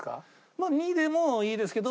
まあ２でもいいですけど。